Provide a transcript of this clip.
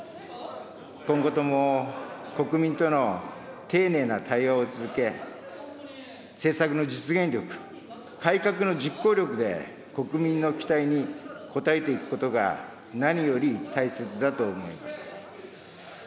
今後とも、国民との丁寧な対話を続け、政策の実現力、改革の実行力で国民の期待に応えていくことが、何より大切だと思います。